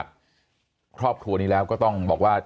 มีความรู้สึกว่า